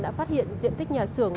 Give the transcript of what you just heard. đã phát hiện diện tích nhà xưởng